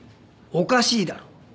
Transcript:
おかしいだろ？